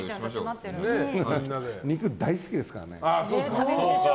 肉、大好きですからね。